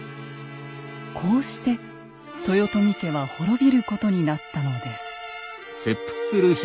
こうして豊臣家は滅びることになったのです。